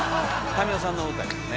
民生さんの歌ですね。